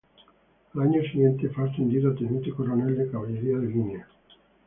Al año siguiente fue ascendido a teniente coronel de caballería de línea.